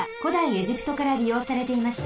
エジプトからりようされていました。